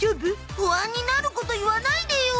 不安になること言わないでよ